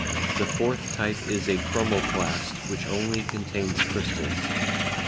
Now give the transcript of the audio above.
The fourth type is a chromoplast which only contains crystals.